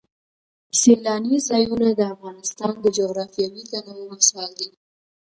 سیلانی ځایونه د افغانستان د جغرافیوي تنوع مثال دی.